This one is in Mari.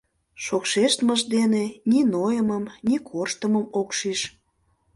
Шокшештмыж дене ни нойымым, ни корштымым ок шиж.